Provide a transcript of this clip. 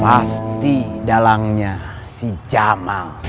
pasti dalangnya si jamal